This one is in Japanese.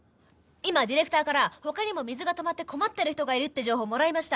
今ディレクターから他にも水が止まって困ってる人がいるって情報もらいました。